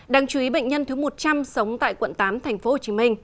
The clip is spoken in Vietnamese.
đáng chú ý bệnh nhân thứ một trăm linh sống tại quận tám tp hcm